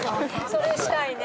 それしたいね。